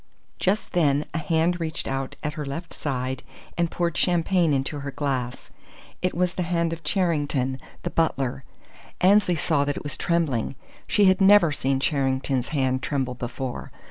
Just then a hand reached out at her left side and poured champagne into her glass. It was the hand of Charrington, the butler. Annesley saw that it was trembling. She had never seen Charrington's hand tremble before.